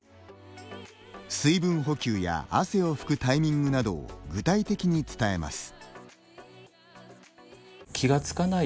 水分補給や汗をふくタイミングなどを具体的に伝えます。